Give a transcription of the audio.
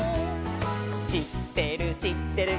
「しってるしってる」